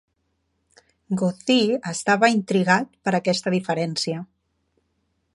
Goethe estava intrigat per aquesta diferencia.